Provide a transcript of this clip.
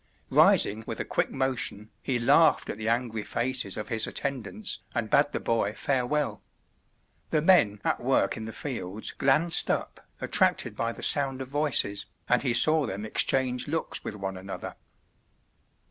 Rising with a quick motion, he laughed at the angry faces of his attendants and bade the boy farewell. The men at work in the fields glanced up, attracted by the sound of voices, and he saw them exchange looks with one another.